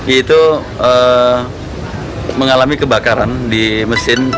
itu mengalami kebakaran di mesin